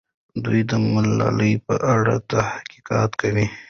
دوی د ملالۍ په اړه تحقیق کوي.